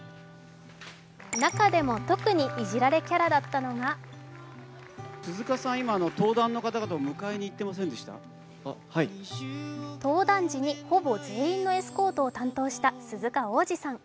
中でも特にいじられキャラだったのが登壇時にほぼ全員のエスコートを担当した鈴鹿央士さん。